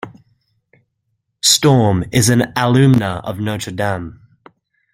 Storm is an alumna of Notre Dame.